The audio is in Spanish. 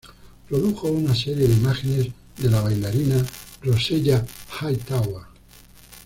Produjo una serie de imágenes de la bailarina Rosella Hightower.